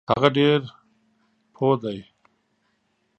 هغه ډیر پوه دی.